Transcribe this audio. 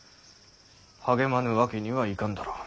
励まぬわけにはいかぬだろう。